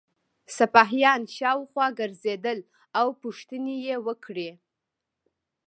سپاهیان شاوخوا ګرځېدل او پوښتنې یې وکړې.